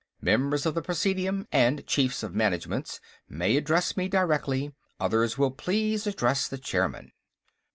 Members of the Presidium and Chiefs of Managements may address me directly; others will please address the chairman."